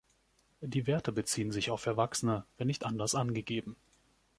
Die Werte beziehen sich auf Erwachsene, wenn nicht anders angegeben.